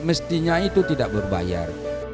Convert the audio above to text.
mestinya itu tidak berbayar